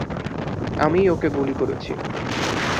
আমিই ওকে গুলি করেছি।